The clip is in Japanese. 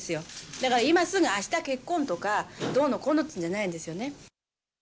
だから今すぐ、あした結婚とか、どうのこうのっていうんじゃないんですよね。